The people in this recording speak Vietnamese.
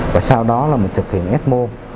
và sau đó là mình thực hiện x mô